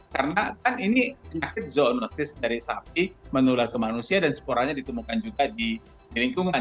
karena kan ini penyakit zoonosis dari sapi menular ke manusia dan sporanya ditemukan juga di lingkungan